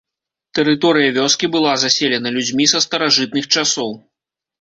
Тэрыторыя вёскі была заселена людзьмі са старажытных часоў.